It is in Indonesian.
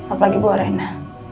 apalagi bu rena